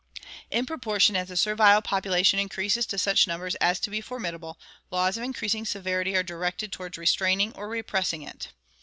In proportion as the servile population increases to such numbers as to be formidable, laws of increasing severity are directed to restraining or repressing it.